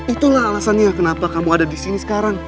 itulah alasannya kenapa kamu ada disini sekarang